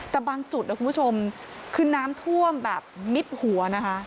แต่บางจุดนะคุณผู้ชมคือน้ำท่วมแบบมิดหัวนะคะ